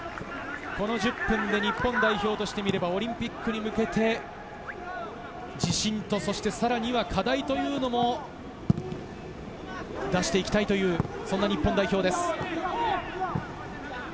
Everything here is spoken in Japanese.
１０分で日本代表として見ればオリンピックに向けて、自信とさらには課題も出していきたい日本代表です。